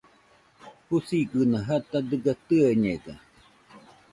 Jusigɨna jata dɨga tɨeñega